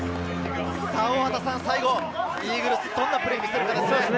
最後、イーグルスどんなプレーを見せるかですね。